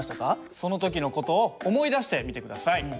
その時の事を思い出してみて下さい。